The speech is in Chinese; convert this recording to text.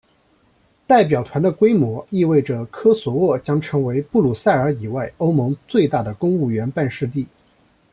代表团的规模意味着科索沃将成为布鲁塞尔以外欧盟最大的公务员办事地。